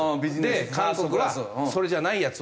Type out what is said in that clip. で韓国はそれじゃないやつを。